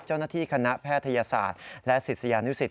เจ้าหน้าที่คณะแพทยศาสตร์และศิษยานุสิต